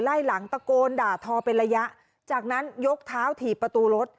ไล่หลังตะโกนด่าทอเป็นระยะจากนั้นยกเท้าถีบประตูรถ